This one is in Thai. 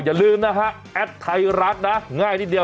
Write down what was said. อย่าลืมนะฮะแอดไทยรัฐนะง่ายนิดเดียว